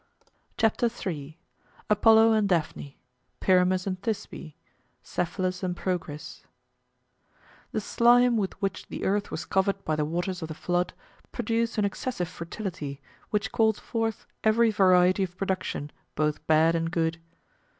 CHAPTER III APOLLO AND DAPHNE PYRAMUS AND THISBE CEPHALUS AND PROCRIS The slime with which the earth was covered by the waters of the flood produced an excessive fertility, which called forth every variety of production, both bad and good.